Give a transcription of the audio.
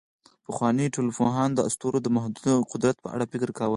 پخواني ټولنپوهان د اسطورو د محدود قدرت په اړه فکر کاوه.